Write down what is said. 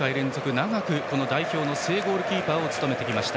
長く代表の正ゴールキーパーを務めてきました。